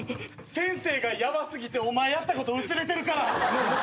先生がヤバすぎてお前やったこと薄れてるから。